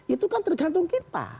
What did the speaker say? itu kan tergantung kita